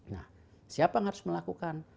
nah siapa yang harus melakukan